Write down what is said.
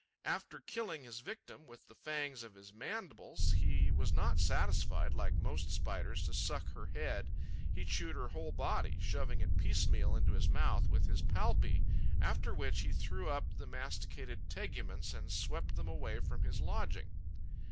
After killing his victim with the fangs of his mandibles, he was not satisfied, like most Spiders, to suck her head: he chewed her whole body, shoving it piecemeal into his mouth with his palpi, after which he threw up the masticated teguments and swept them away from his lodging.